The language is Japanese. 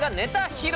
披露